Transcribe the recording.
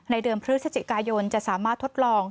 เดือนพฤศจิกายนจะสามารถทดลอง